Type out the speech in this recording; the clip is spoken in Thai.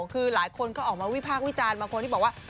คือหลายคนก็ออกมาวิพากษ์วิจารณ์บางคนที่บอกว่า